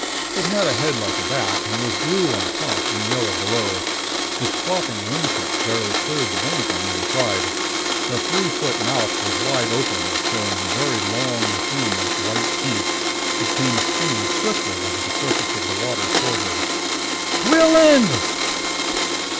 It had a head like a bat, and was blue on top and yellow below. Its flopping wing tips barely cleared the bank on either side. The three foot mouth was wide open, showing very long thin white teeth. It came skimming swiftly over the surface of the water toward her. "Quiiii LLAN!"